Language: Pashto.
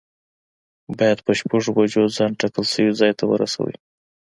باید په شپږو بجو ځان ټاکل شوي ځای ته ورسوی.